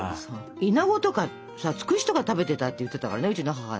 イナゴとかさツクシとか食べてたって言ってたからねうちの母なんか。